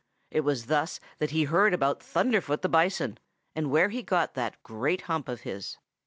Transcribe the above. It was thus that he heard about Thunderfoot the Bison and where he got that great hump of his.